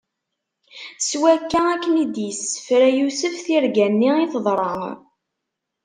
S wakka, akken i d-issefra Yusef tirga-nni, i teḍra.